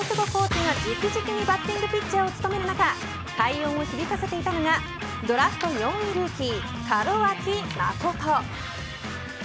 巨人、大久保コーチが直々にバッティングピッチャーを務める中快音を響かせていたのがドラフト４位ルーキー門脇誠。